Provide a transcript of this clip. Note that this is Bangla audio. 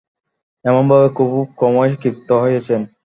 এমনভাবে খুব কমই ক্ষিপ্ত হয়েছেন।